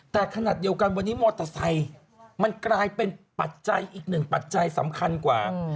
แต่ขนาดเดียวกันวันนี้มอเตอร์ไซค์มันกลายเป็นปัจจัยอีกหนึ่งปัจจัยสำคัญกว่า